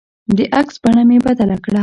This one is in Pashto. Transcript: د عکس بڼه مې بدله کړه.